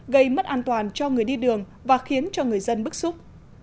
gây mất an toàn cho người đi đường và khiến cho người dân bức xúc